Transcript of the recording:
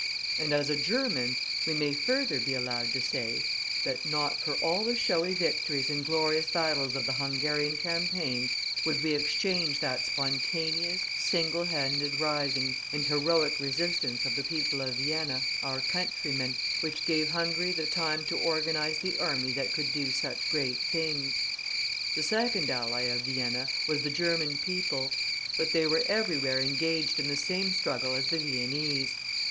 And, as a German, we may further be allowed to say, that not for all the showy victories and glorious battles of the Hungarian campaign, would we exchange that spontaneous, single handed rising, and heroic resistance of the people of Vienna, our countrymen, which gave Hungary the time to organize the army that could do such great things. The second ally of Vienna was the German people. But they were everywhere engaged in the same struggle as the Viennese.